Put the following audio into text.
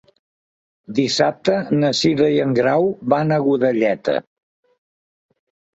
Dissabte na Cira i en Grau van a Godelleta.